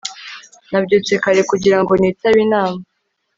nabyutse kare kugira ngo nitabe inama